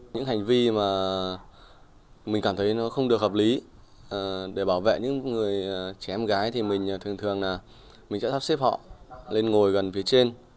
những hành vi mà mình cảm thấy nó không được hợp lý để bảo vệ những người trẻ em gái thì mình thường thường là mình sẽ sắp xếp họ lên ngồi gần phía trên